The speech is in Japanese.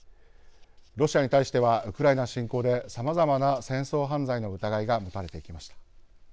ロシアに対してはウクライナ侵攻でさまざまな戦争犯罪の疑いが持たれてきました。